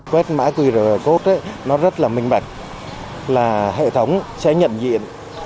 quét mã qr code rất là minh mạch là hệ thống sẽ nhận diện